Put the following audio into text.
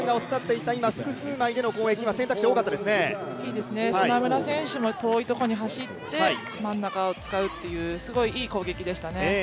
いいですね、島村選手も遠いところに走って真ん中を使うというすごくいい攻撃でしたね。